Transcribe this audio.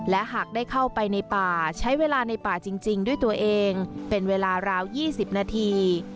และหากได้เข้าไปในป่าใช้เวลาในป่าจริงด้วยตัวเองเป็นเวลาราว๒๐นาที